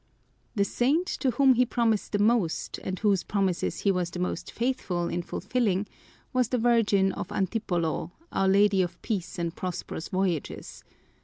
The saint to whom he promised the most, and whose promises he was the most faithful in fulfilling, was the Virgin of Antipolo, Our Lady of Peace and Prosperous Voyages.